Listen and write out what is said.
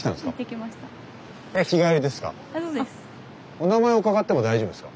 お名前を伺っても大丈夫ですか？